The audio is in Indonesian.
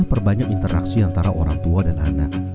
satu menghubungkan interaksi antara orang tua dan anak